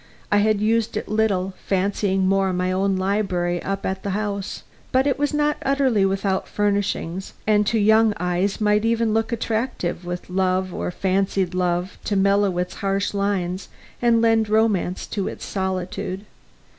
I had used it little, fancying more my own library up at the house, but it was not utterly without furnishings, and to young eyes might even look attractive, with love, or fancied love, to mellow its harsh lines and lend romance to its solitude.